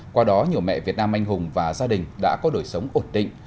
qua đó nhiều mẹ việt nam anh hùng và gia đình đã có đời sống ổn định